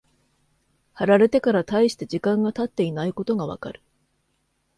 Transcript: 貼られてから大して時間が経っていないことがわかる。